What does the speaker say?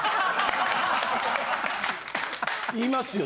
言いますよ。